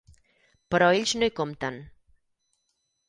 Però ells no hi compten.